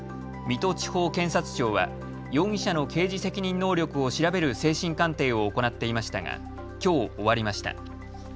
水戸地方検察庁は、容疑者の刑事責任能力を調べる精神鑑定を行っていましたがきょう終わりました。